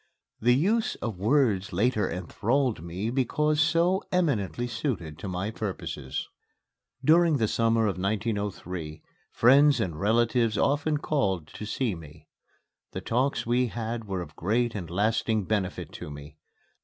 The use of words later enthralled me because so eminently suited to my purposes. During the summer of 1903, friends and relatives often called to see me. The talks we had were of great and lasting benefit to me.